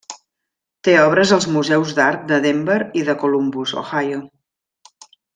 Té obres als Museus d'Art de Denver i de Columbus, Ohio.